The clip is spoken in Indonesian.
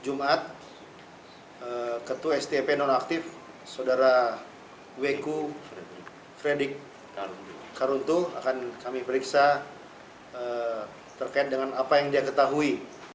di jumat ketua stip nonaktif saudara weku fredy karuntu akan kami periksa terkait dengan apa yang dia ketahui